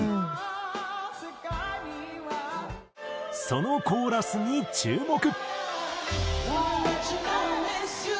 そのコーラスに注目。